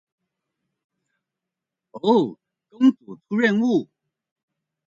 公主出任務